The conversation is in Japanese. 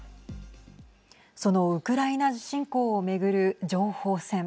そのウクライナ侵攻を巡る情報戦。